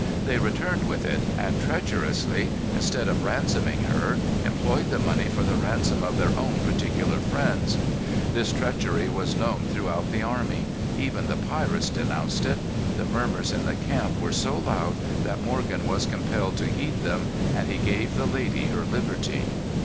They returned with it, and treacherously, instead of ransoming her, employed the money for the ransom of their own particular friends. This treachery was known throughout the army. Even the pirates denounced it. The murmurs in the camp were so loud, that Morgan was compelled to heed them, and he gave the lady her liberty.